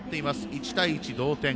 １対１、同点。